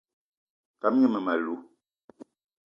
Tam gne mmem- alou